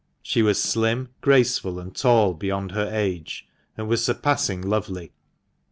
She was slim, graceful, and tall beyond her age, and was surpassing lovely.